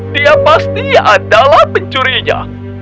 dia pasti adalah pencurinya